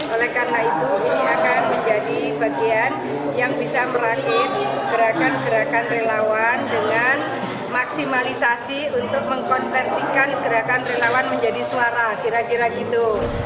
oleh karena itu ini akan menjadi bagian yang bisa merakit gerakan gerakan relawan dengan maksimalisasi untuk mengkonversikan gerakan relawan menjadi suara kira kira gitu